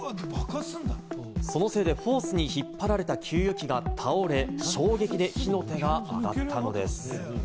そのせいでホースに引っ張られた給油機が倒れ、衝撃で火の手が上がったのです。